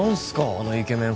あのイケメン